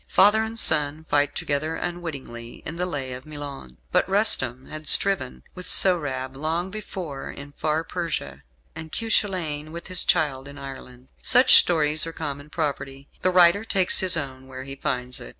Father and son fight together unwittingly in "The Lay of Milon"; but Rustum had striven with Sohrab long before in far Persia, and Cuchulain with his child in Ireland. Such stories are common property. The writer takes his own where he finds it.